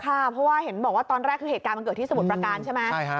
เพราะว่าเห็นบอกว่าตอนแรกคือเกิดจากเกิดละทีสมุดประกันใช่ไหม